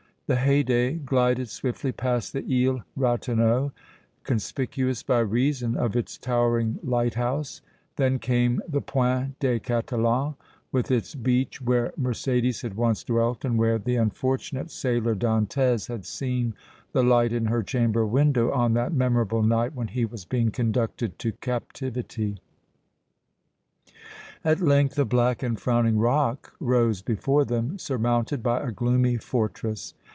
The Haydée glided swiftly past the Île Ratonneau, conspicuous by reason of its towering lighthouse; then came the Pointe des Catalans, with its beach where Mercédès had once dwelt and where the unfortunate sailor Dantès had seen the light in her chamber window on that memorable night when he was being conducted to captivity. At length a black and frowning rock rose before them, surmounted by a gloomy fortress.